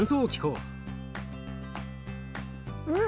うん！